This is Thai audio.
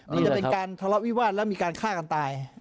มันจะเป็นการทะเลาะวิวาสแล้วมีการฆ่ากันตาย